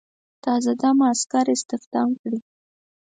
تازه دمه عسکر استخدام کړي.